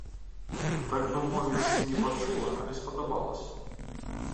Так бы мовіць, не пачула, але спадабалася.